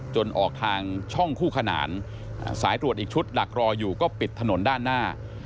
ออกทางช่องคู่ขนานสายตรวจอีกชุดหลักรออยู่ก็ปิดถนนด้านหน้า